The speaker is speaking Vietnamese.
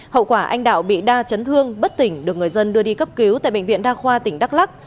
hậu quả anh đạo bị đa chấn thương bất tỉnh được người dân đưa đi cấp cứu tại bệnh viện đa khoa tỉnh đắk lắc